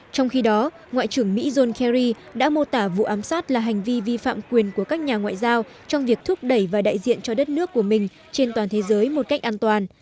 trong khi đó ngoại trưởng mỹ john kerry đã mô tả vụ ám sát là hành vi vi phạm quyền của các nhà ngoại giao trong việc thúc đẩy và đại diện cho đất nước của mình trên toàn thế giới một cách an toàn